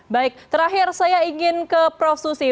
baik terakhir saya ingin ke prof susi